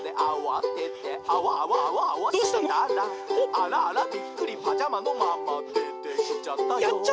「あらあらびっくりパジャマのままでてきちゃったよ」